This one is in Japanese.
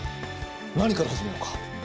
何から始めようか？